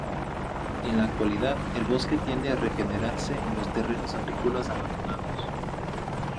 En la actualidad, el bosque tiende a regenerarse en los terrenos agrícolas abandonados.